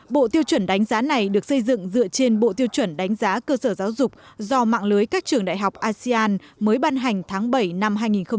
bộ tiêu chuẩn đánh giá này được xây dựng dựa trên bộ tiêu chuẩn đánh giá cơ sở giáo dục do mạng lưới các trường đại học asean mới ban hành tháng bảy năm hai nghìn hai mươi